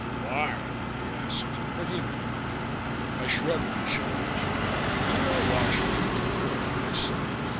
"Why?" he asked, but he knew why. I shrugged my shoulders. "You know Washington, Colonel," I said.